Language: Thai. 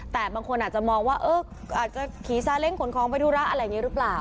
แต่บางคนอาจจะมองว่าอาจจะขี่ซาเล้งขนของไปธุระอะไรอย่างนี้หรือเปล่า